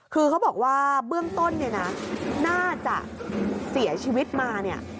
คือเขาบอกว่าเบื้องต้นเนี่ยนะน่าจะเสียชีวิตมาเนี่ย